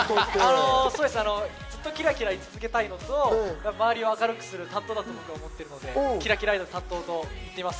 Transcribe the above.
ずっとキラキラ居続けたいのと周りを明るくする担当だと思っているのでキラキラアイドル担当と言ってます。